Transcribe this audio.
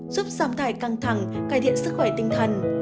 giúp giảm thải căng thẳng cải thiện sức khỏe tinh thần